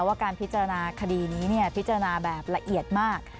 ว่าการพิจารณาคดีนี้พิจารณาแบบละเอียดมาก